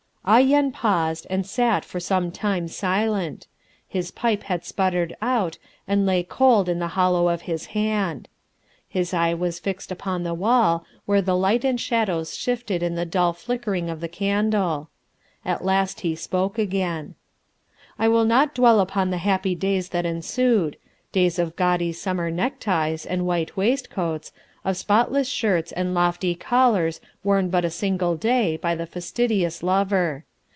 Ah Yen paused and sat for some time silent; his pipe had sputtered out and lay cold in the hollow of his hand; his eye was fixed upon the wall where the light and shadows shifted in the dull flickering of the candle. At last he spoke again: "I will not dwell upon the happy days that ensued days of gaudy summer neckties and white waistcoats, of spotless shirts and lofty collars worn but a single day by the fastidious lover.